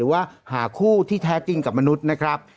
ว่าหาคู่ที่แท้จริงกับมนุษย์นะครับ